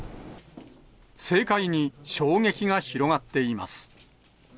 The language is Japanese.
政界に衝撃が広がっています。